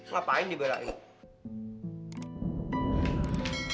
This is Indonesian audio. ngapain dibela eyuk